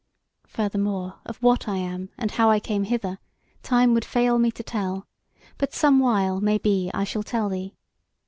Furthermore, of what I am, and how I came hither, time would fail me to tell; but somewhile, maybe, I shall tell thee.